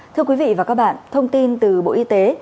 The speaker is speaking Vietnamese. thưa quý vị và các bạn thông tin từ bộ y tế